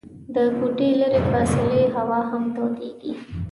د کوټې لیري فاصلې هوا هم تودیږي.